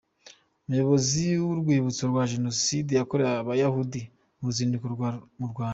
Umuyobozi w’Urwibutso rwa Jenoside yakorewe Abayahudi mu ruzinduko mu Rwanda